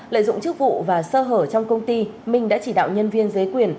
lợi dụng chức vụ và sơ hở trong công ty minh đã chỉ đạo nhân viên giấy quyền